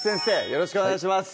よろしくお願いします